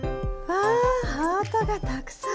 わぁハートがたくさん！